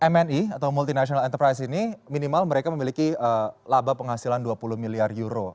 mni atau multinational enterprise ini minimal mereka memiliki laba penghasilan dua puluh miliar euro